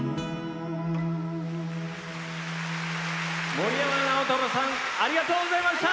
森山直太朗さんありがとうございました。